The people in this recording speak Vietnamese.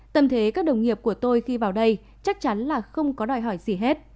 tâm thế các đồng nghiệp của tôi khi vào đây chắc chắn là không có đòi hỏi gì hết